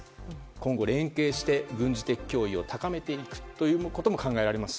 今後、連携して軍事的脅威を高めていくことも考えられます。